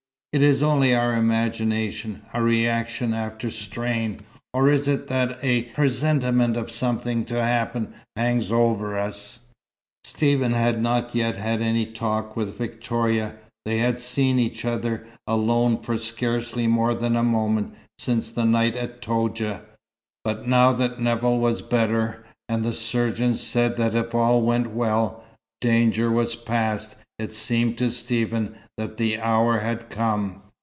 Is it only our imagination a reaction after strain, or is it that a presentiment of something to happen hangs over us?" Stephen had not yet had any talk with Victoria. They had seen each other alone for scarcely more than a moment since the night at Toudja; but now that Nevill was better, and the surgeons said that if all went well, danger was past, it seemed to Stephen that the hour had come.